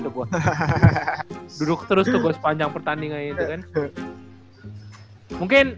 duduk terus tuh gue sepanjang pertandingan itu kan mungkin